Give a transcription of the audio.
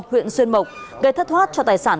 huyện xuân mộc gây thất thoát cho tài sản